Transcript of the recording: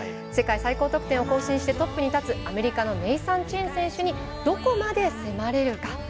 世界最高得点を更新してトップに立つアメリカのネイサン・チェン選手にどこまで迫れるか。